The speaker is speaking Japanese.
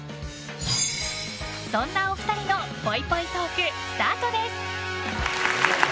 そんなお二人のぽいぽいトークスタートです！